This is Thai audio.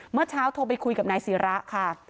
เมื่อเช้าโทรไปคุยกับนายศิระค่ะ